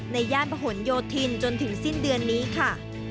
ย่านประหลโยธินจนถึงสิ้นเดือนนี้ค่ะ